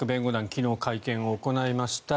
昨日、会見を行いました。